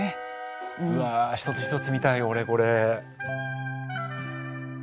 うわ一つ一つ見たい俺これ。